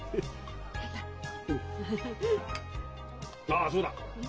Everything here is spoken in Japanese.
ああそうだ！